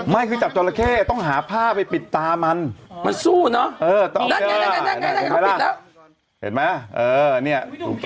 ไม่คือจับจรเข้ต้องหาผ้าไปปิดตามันมันสู้เนาะเห็นไหมล่ะเออนี่